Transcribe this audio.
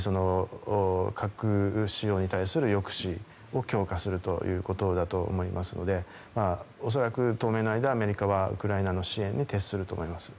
核使用に対する抑止を強化するということだと思いますので恐らく、当面の間アメリカはウクライナ支援に徹すると思います。